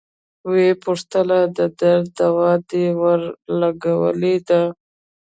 ويې پوښتله د درد دوا دې ورلګولې ده.